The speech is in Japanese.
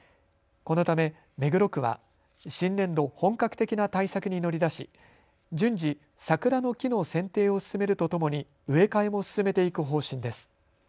このため目黒区は新年度、本格的な対策に乗り出し順次、桜の木のせん定を進めるとともに植え替えも進めていく方針です。